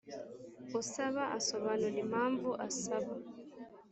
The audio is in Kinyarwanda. usaba asobanura impamvu asaba